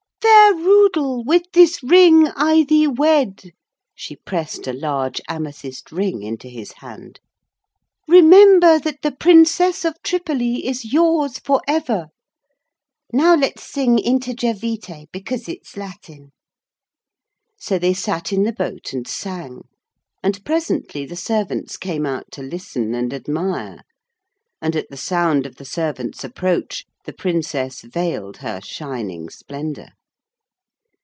'Fair Rudel, with this ring I thee wed,' she pressed a large amethyst ring into his hand, 'remember that the Princess of Tripoli is yours for ever. Now let's sing Integer Vitae because it's Latin.' So they sat in the boat and sang. And presently the servants came out to listen and admire, and at the sound of the servants' approach the Princess veiled her shining splendour.